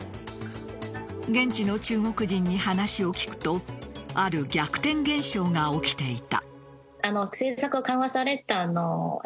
現地の中国人に話を聞くとある逆転現象が起きていた。